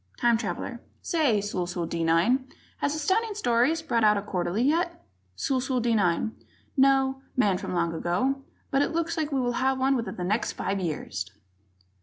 Time Traveler: "Say, Sulsu D 9, has Astounding Stories brought out a Quarterly yet?" Sulsu D 9: "No, Man from the Long Ago, but it looks like we'll have one within the next five years!"